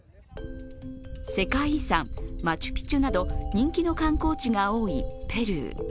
世界遺産マチュピチュなど人気の観光地が多いペルー。